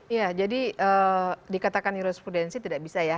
iya jadi dikatakan jurisprudensi tidak bisa ya